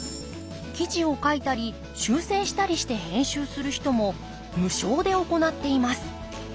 記事を書いたり修正したりして編集する人も無償で行っています。